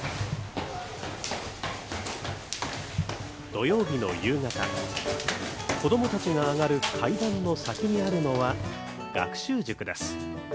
土曜日の夕方、子供たちが上がる階段の先にあるのは学習塾です。